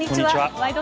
「ワイド！